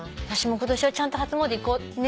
私も今年はちゃんと初詣行こう。